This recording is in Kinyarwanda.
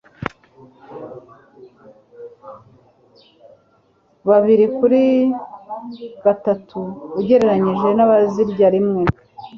kabirikuri gatatu ugereranije n'abazirya rimwe